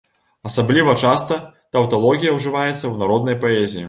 Асабліва часта таўталогія ўжываецца ў народнай паэзіі.